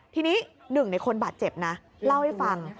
ทีนี้หนึ่งในคนบาดเจ็บนะเล่าให้ฟัง